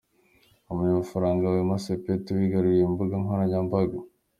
Umunyamafararga Wema Sepetu wigaruriye imbuga nkoranyambaga.